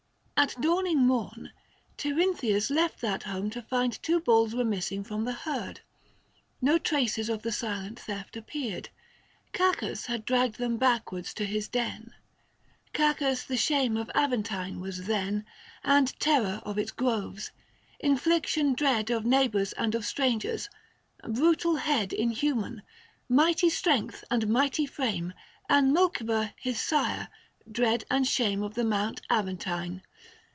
At dawning morn, Tirynthius left that home To find two bulls were missing from the herd. 580 No traces of the silent theft appeared, Cacus had dragged them backwards to his den, Cacus the shame of Aventine was then, And terror of its groves ;— infliction dread Of neighbours and of strangers ;— brutal head 585 Inhuman, mighty strength and mighty frame And Mulciber his sire : dread and shame Of the Mount Aventine